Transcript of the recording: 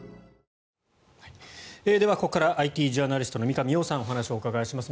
では、ここからＩＴジャーナリストの三上洋さんにお話をお伺いします。